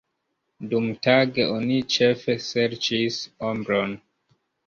Dumtage oni ĉefe serĉis ombron.